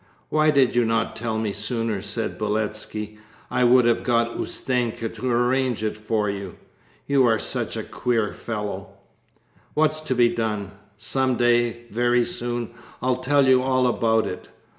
'Why did you not tell me sooner?' said Beletski. 'I would have got Ustenka to arrange it for you. You are such a queer fellow! ...' 'What's to be done! ... Some day, very soon, I'll tell you all about it.